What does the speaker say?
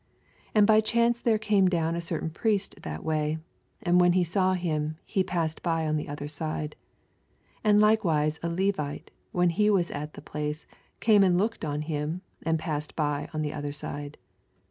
81 And by chance there came down ft oertain Pnest that way : and when he saw him, he psssed by on the other Bide. 82 And likewise a Levite. when he was at the place, came and looked on 2m», and passed by on the other side.